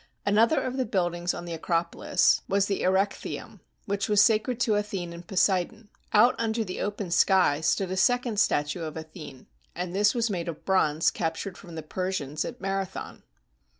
Another of the buildings on the Acropolis was the Erechtheum, which was sacred to Athene and Poseidon. Out under the open sky stood a second statue of Athene; and this was made of bronze captured from the Persians at Marathon.